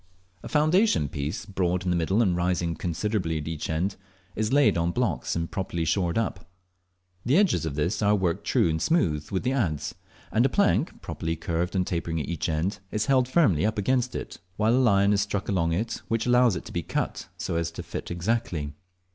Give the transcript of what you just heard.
A foundation piece, broad in the middle and rising considerably at each end, is first laid on blocks and properly shored up. The edges of this are worked true and smooth with the adze, and a plank, properly curved and tapering at each end, is held firmly up against it, while a line is struck along it which allows it to be cut so as to fit exactly.